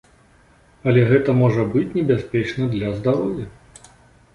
Але гэта можа быць небяспечна для здароўя.